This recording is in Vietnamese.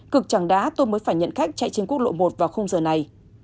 cực chẳng đá tôi mới phải nhận khách chạy trên quốc lộ một vào khung giờ này